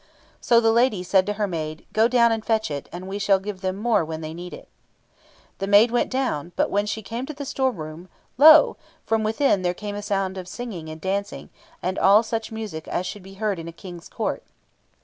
So the lady said to her maid, "Go down and fetch it, and we shall give them more when they need it." The maid went down, but when she came to the store room, lo! from within there came a sound of singing and dancing, and all such music as should be heard in a King's Court.